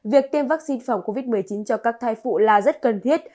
việc tiêm vaccine phòng covid một mươi chín cho các thai phụ là rất cần thiết